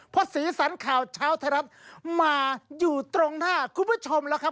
เพราะสีสันข่าวเช้าไทยรัฐมาอยู่ตรงหน้าคุณผู้ชมแล้วครับ